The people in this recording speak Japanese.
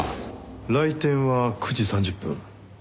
来店は９時３０分。